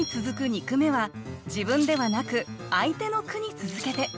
二句目は自分ではなく相手の句に続けて。